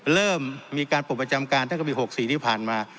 เริ่มมีการปลดประจำการถ้าเกิดมีหกสี่ที่ผ่านมา